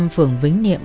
phường vĩnh niệm